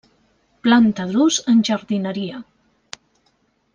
Planta d'ús en jardineria.